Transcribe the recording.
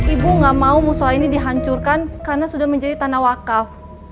ibu gak mau musola ini dihancurkan karena sudah menjadi tanah wakaf